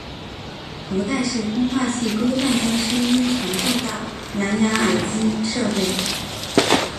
头戴式通话器规范将声音传送到蓝芽耳机设备。